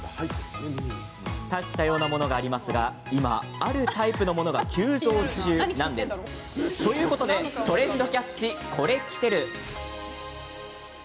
多種多様なものがありますが今、あるタイプのものが急増中なんです。ということで「トレンドＣａｔｃｈ！コレキテル」。